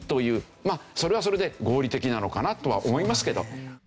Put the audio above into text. それはそれで合理的なのかなとは思いますけど。